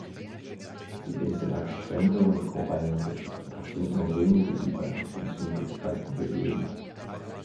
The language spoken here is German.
Die Insel hat Strände und Korallenriffe, doch sind nur wenige Übernachtungsmöglichkeiten gegeben.